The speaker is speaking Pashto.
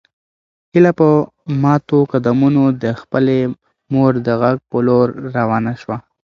هیله په ماتو قدمونو د خپلې مور د غږ په لور روانه شوه.